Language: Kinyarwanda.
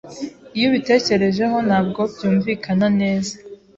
Iyo ubitekerejeho ntabwo byumvikana neza.